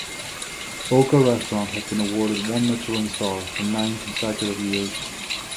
Boka Restaurant has been awarded one Michelin star for nine consecutive years.